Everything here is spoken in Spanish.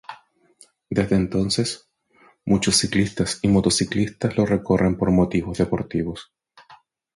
Desde entonces, muchos ciclistas y motociclistas lo recorren por motivos deportivos.